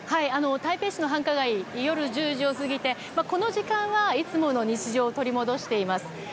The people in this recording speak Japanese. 台北市の繁華街夜１０時を過ぎてこの時間はいつもの日常を取り戻しています。